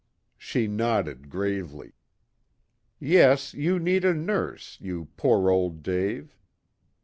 She nodded gravely. "Yes, you need a nurse, you poor old Dave.